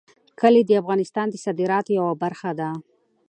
کلي د افغانستان د صادراتو یوه برخه ده.